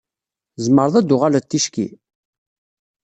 Tezmreḍ ad d-tuɣaleḍ ticki?